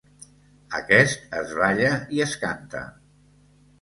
Aquest es balla i es canta.